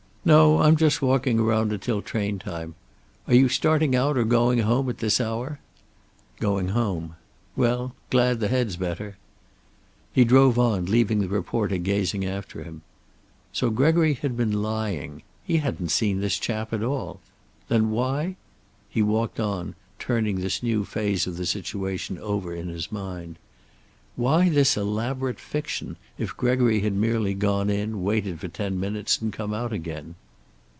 "No, I'm just walking around until train time. Are you starting out or going home, at this hour?" "Going home. Well, glad the head's better." He drove on, leaving the reporter gazing after him. So Gregory had been lying. He hadn't seen this chap at all. Then why ? He walked on, turning this new phase of the situation over in his mind. Why this elaborate fiction, if Gregory had merely gone in, waited for ten minutes, and come out again?